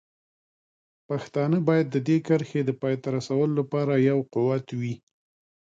پښتانه باید د دې کرښې د پای ته رسولو لپاره یو قوت وي.